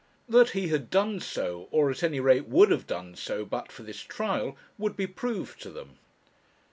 That he had done so, or, at any rate, would have done so, but for this trial, would be proved to them.